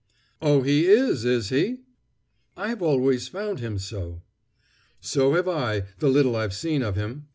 "Oh, he is, is he?" "I've always found him so." "So have I, the little I've seen of him.